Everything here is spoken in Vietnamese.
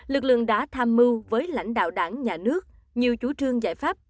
lực lượng đã tham mưu với lãnh đạo đảng nhà nước nhiều chủ trương giải pháp